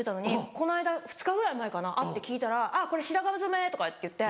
この間２日ぐらい前かな会って聞いたら「これ白髪染め」とかって言って。